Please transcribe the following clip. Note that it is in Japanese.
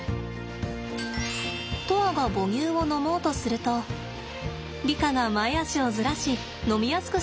砥愛が母乳を飲もうとするとリカが前肢をずらし飲みやすくしています。